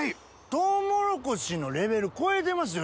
トウモロコシのレベル超えてますよ